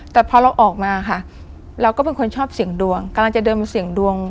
แต่พอเราออกมาค่ะเราก็เป็นคนชอบเสี่ยงดวงกำลังจะเดินมาเสี่ยงดวง